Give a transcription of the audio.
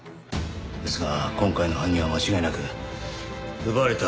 ですが今回の犯人は間違いなく奪われた